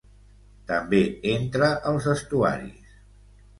També entra als estuaris.